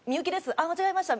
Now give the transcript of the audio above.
あっ間違えました。